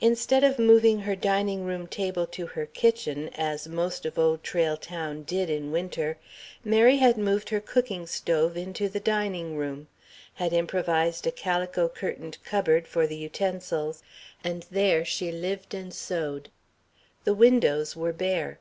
Instead of moving her dining room table to her kitchen, as most of Old Trail Town did in Winter, Mary had moved her cooking stove into the dining room, had improvised a calico curtained cupboard for the utensils, and there she lived and sewed. The windows were bare.